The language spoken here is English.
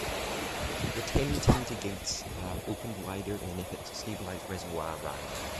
The ten Tainter gates are opened wider in an effort to stabilize reservoir rise.